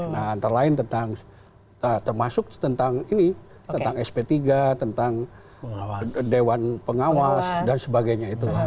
nah antara lain tentang termasuk tentang ini tentang sp tiga tentang dewan pengawas dan sebagainya itu